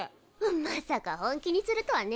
まさか本気にするとはね。